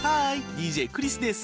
ＤＪクリスです。